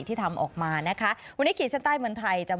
ที่ทำออกมานะคะวันนี้ขีดชั่นใต้เมือไทยจะมา